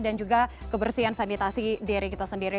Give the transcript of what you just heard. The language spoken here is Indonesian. dan juga kebersihan sanitasi diri kita sendiri